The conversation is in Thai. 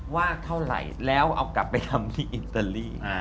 ว่าเท่าไหร่แล้วเอากลับไปทำที่อิตาลี